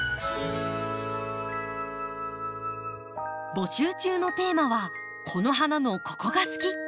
募集中のテーマは「この花のここが好き！」。